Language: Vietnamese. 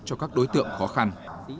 cho các đối tượng khó khăn